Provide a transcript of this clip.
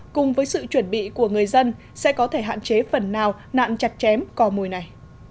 cùng với sự chuẩn bị của người dân sẽ có thể hạn chế phần nào nạn chặt chém cò mồi này